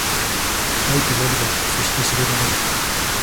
愛と涙そして知るだろう